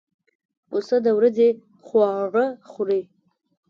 پسه د ورځې خواړه خوري.